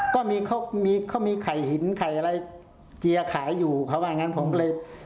ก็มีเขามีไข่หินไข่อะไรเจียขายอยู่เขาว่างั้นผมเลย